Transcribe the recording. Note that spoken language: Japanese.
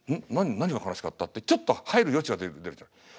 「ん？何が悲しかった？」ってちょっと入る余地が出るじゃない。